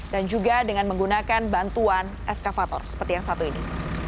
dan juga dengan menggunakan bantuan eskavator seperti yang satu ini